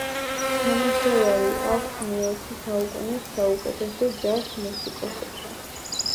ნამუშევარი აქვს მეოცე საუკუნის საუკეთესო ჯაზ მუსიკოსებთან.